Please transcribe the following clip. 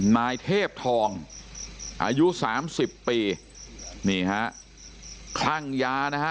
นายเทพทองอายุสามสิบปีนี่ฮะคลั่งยานะฮะ